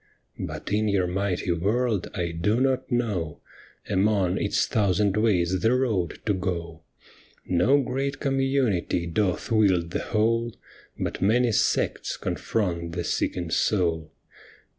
But in your mighty world I do not know Among its thousand ways the road to go ; No great community doth wield the whole, But many sects confront the seeking soul.